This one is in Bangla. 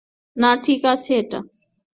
না, ঠিক আছে এটা।